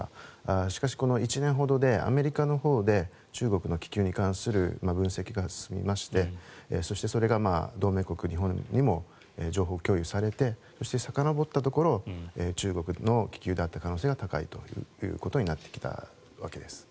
しかし、この１年ほどでアメリカのほうで中国の気球に関する分析が進みましてそして、それが同盟国・日本にも情報共有されてそしてさかのぼったところ中国の気球であった可能性が高いということになってきたわけです。